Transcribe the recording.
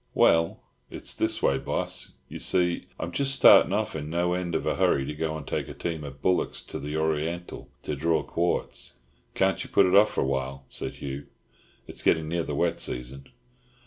"Well, it's this way, boss, you see. I'm just startin' off in no end of a hurry to go and take a team of bullocks to the Oriental to draw quartz." "Can't you put it off for a while?" said Hugh. "It's getting near the wet season."